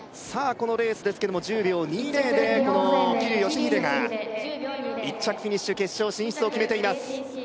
このレースですけども１０秒２０でこの桐生祥秀が１着フィニッシュ決勝進出を決めています